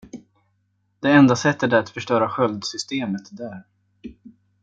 Det enda sättet är att förstöra sköldsystemet där.